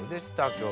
今日。